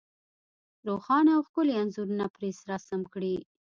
روښانه او ښکلي انځورونه پرې رسم کړي.